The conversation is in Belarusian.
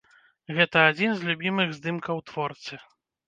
Гэта адзін з любімых здымкаў творцы.